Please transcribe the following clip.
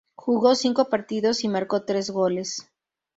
Jugó cinco partidos y marcó tres goles.